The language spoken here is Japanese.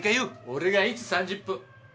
俺がいつ３０分。